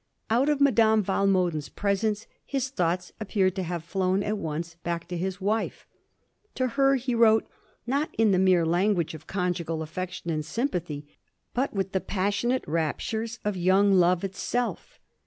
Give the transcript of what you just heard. Out of Madame Walmoden's presence his thongbts appear to have flown at once back to his wife. To her he wrote, not in the mere l^ignage of conjngal affection and sjrmpathy, bnt with the passionate raptnrea of young love itself.